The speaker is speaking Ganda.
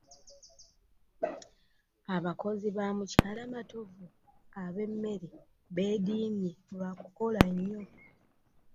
Abakozi ba mukyala Matovu abemmere beediimye lwa kukola nnyo.